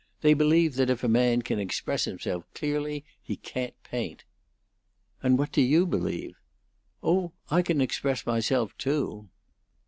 They believe that if a man can express himself clearly he can't paint." "And what do you believe?" "Oh, I can express myself, too."